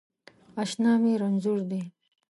اشنا می رنځور دی